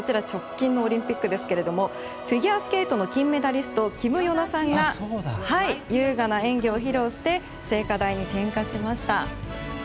直近のオリンピックですけどもフィギュアスケートの金メダリスト、キム・ヨナさんが優雅な演技を披露して聖火台に点火しました。